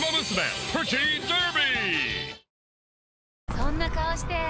そんな顔して！